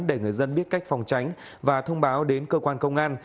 để người dân biết cách phòng tránh và thông báo đến cơ quan công an